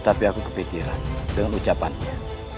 tapi aku kepikiran dengan ucapannya